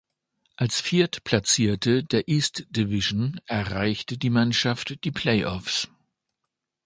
Als Viertplatzierte der "East Division" erreichte die Mannschaft die Play-offs.